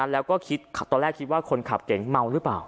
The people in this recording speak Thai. แล้วก็คิดตอนแรกคิดว่าคนขับเก๋งเมาหรือเปล่า